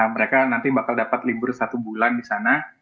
mereka nanti bakal dapat libur satu bulan di sana